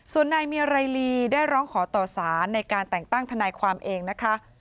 ส่วนนายเมียไรลีได้ร้องขอต่อสารในการแต่งตั้งทนายความเองนะคะ